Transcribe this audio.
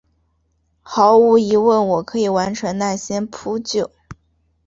毫无疑问我可以完成那些扑救！